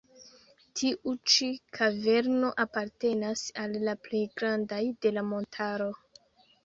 Tiu ĉi kaverno apartenas al la plej grandaj de la montaro.